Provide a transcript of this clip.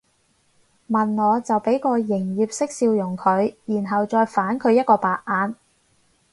問我就俾個營業式笑容佢然後再反佢一個白眼